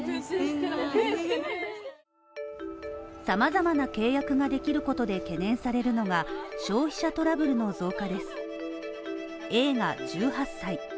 様々な契約ができることで懸念されるのが消費者トラブルの増加です。